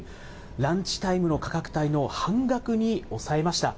ランチタイムの価格帯の半額に抑えました。